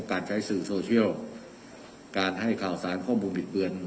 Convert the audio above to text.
การใช้สื่อโซเชียลการให้ข่าวสารข้อมูลบิดเบือน